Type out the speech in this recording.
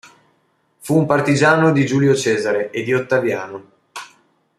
Fu un partigiano di Giulio Cesare e di Ottaviano.